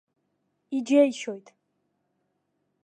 Иџьеишьоит.